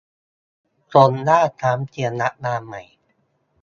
คนหน้าซ้ำเตรียมรับงานใหม่